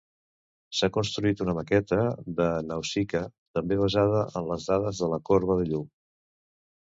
S'ha construït una maqueta de Nausikaa, també basada en les dades de la corba de llum.